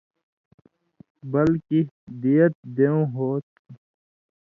بلکے دیت دیوں ہو تُھو۔